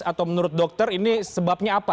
atau menurut dokter ini sebabnya apa